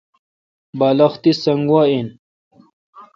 بالخ تی سنگ وا این